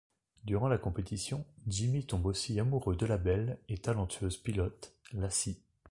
Durant la compétition, Jimmy tombe aussi amoureux de la belle et talentueuse pilote, Lacey.